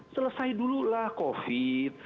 selesai dululah covid